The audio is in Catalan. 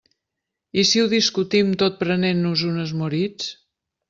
I si ho discutim tot prenent-nos unes Moritz?